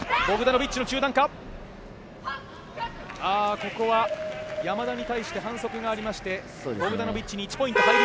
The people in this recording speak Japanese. ここは山田に対して反則がありましてボクダノビッチに１ポイント。